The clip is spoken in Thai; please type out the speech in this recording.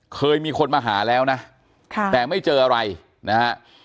เคยมีคนมาหาแล้วนะแต่ไม่เจออะไรนะฮะ